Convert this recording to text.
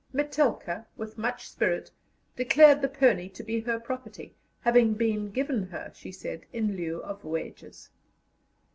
Metelka, with much spirit, declared the pony to be her property, having been given her, she said, in lieu of wages.